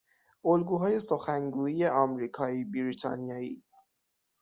الگوهای سخن گویی امریکایی - بریتانیایی